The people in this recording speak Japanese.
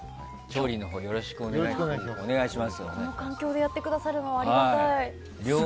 調理のほうよろしくお願いします。